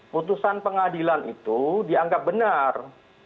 putusan pengadilan itu dianggap benar